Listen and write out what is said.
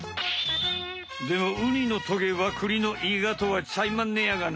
でもウニのトゲは栗のいがとはちゃいまんねやがな。